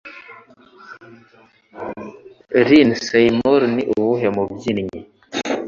Lynn Seymour ni uwuhe mubyinnyi?